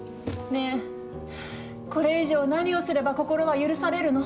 ねえこれ以上何をすれば心は許されるの？